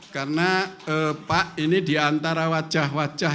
karena pak ini di antara wajah wajah